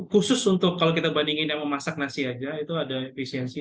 khusus untuk kalau kita bandingin yang memasak nasi aja itu ada efisiensi